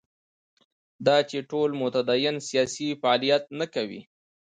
دا چې ټول متدینان سیاسي فعالیت نه کوي.